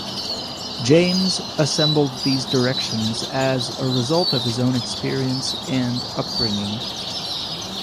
James assembled these directions as a result of his own experience and upbringing.